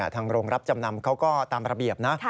ทางโรงรับจำนำเขาก็ตามระเบียบนะ